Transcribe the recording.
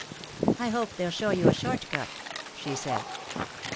"I hope they'll show you a short cut," she said.